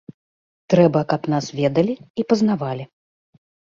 Трэба, каб нас ведалі і пазнавалі.